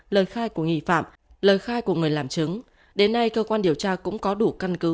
lời khai của nghi phạm lời khai của người làm chứng đến nay cơ quan điều tra cũng có đủ căn cứ